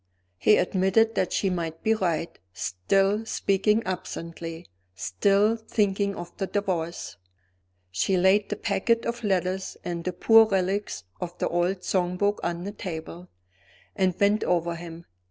He admitted that she might be right; still speaking absently, still thinking of the Divorce. She laid the packet of letters and the poor relics of the old song book on the table, and bent over him.